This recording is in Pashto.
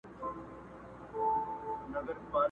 كومه پېغله به غرمه د ميوند سره كي!.